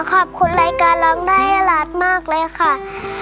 ขอบคุณรายการร้องได้ให้ร้านมากเลยค่ะ